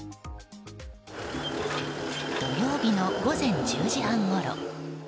土曜日の午前１０時半ごろ。